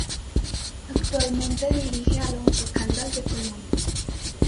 Actualmente dirige al Once Caldas de Colombia.